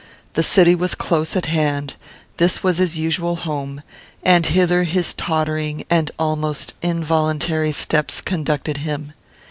The city was close at hand; this was his usual home; and hither his tottering and almost involuntary steps conducted him.